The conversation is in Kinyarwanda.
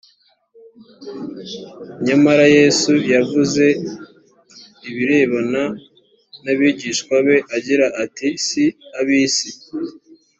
nyamara yesu yavuze ibirebana n abigishwa be agira ati si ab isi